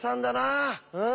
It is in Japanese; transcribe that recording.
うん。